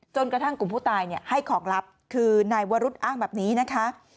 จนกระทั่งกลุ่มผู้ตายให้ของลับคือนายวรุษอ้างแบบนี้นะคะ